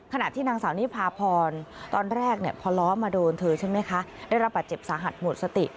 ขณะที่นางสาวนิพาพรตอนแรกเนี่ยพอล้อมาโดนเธอใช่ไหมคะได้รับบาดเจ็บสาหัสหมดสติ